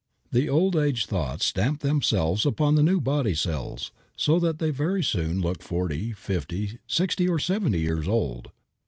The old age thoughts stamp themselves upon the new body cells, so that they very soon look forty, fifty, sixty, or seventy years old.